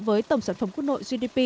với tổng sản phẩm quốc nội gdp